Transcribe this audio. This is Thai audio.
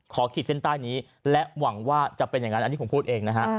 ขีดเส้นใต้นี้และหวังว่าจะเป็นอย่างนั้นอันนี้ผมพูดเองนะฮะ